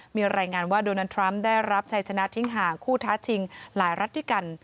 มีรายงานว่าโดนัลดทรัมป์ได้รับชัยชนะทิ้งห่างคู่ท้าชิงหลายรัฐด้วยกัน